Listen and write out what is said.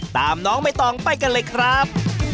ตามน้องใบตองไปกันเลยครับ